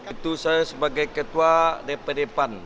itu saya sebagai ketua dpd pan